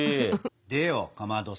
でよかまどさん。